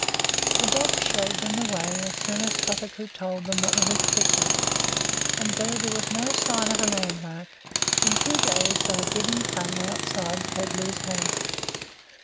The dogs showed them the way as soon as Kotuko told them what was expected, and though there was no sign of a landmark, in two days they were giving tongue outside Kadlu's house.